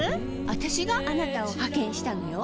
私があなたを派遣したのよ